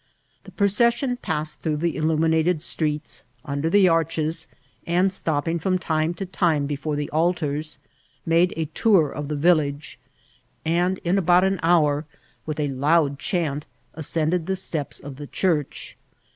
The . procession passed through the illuminated streets, under the arches, and stopping from time to time before the altars, made the tour of the village, and in about an hour, with a loud chant, ascended the steps of the ohurch.